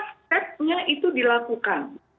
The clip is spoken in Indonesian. semua stepnya itu dilakukan